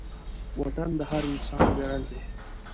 وطن د هر انسان ویاړ دی.